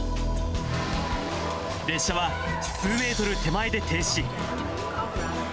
列車は数メートル手前で停止。